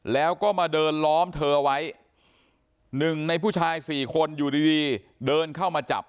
แล้วก็มาเดินล้อมเธอไว้หนึ่งในผู้ชายสี่คนอยู่ดีเดินเข้ามาจับ